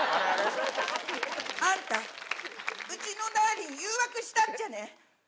あんた、うちのダーリン、誘惑したっちゃね。